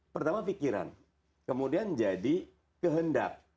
pertama pikiran kemudian jadi kehendak